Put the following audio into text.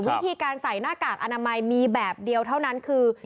วิธีการใส่หน้ากากอนามัยมีแบบเดียวเท่านั้นคือ